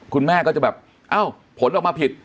คุณแม่ก็จะแบบเอ้าผลออกมาผิด